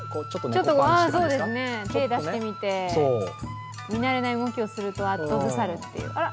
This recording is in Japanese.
ちょっと手を出してみて、見慣れない動きをみると後ずさるという。